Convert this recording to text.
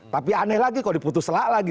tapi aneh lagi kalau diputus selak lagi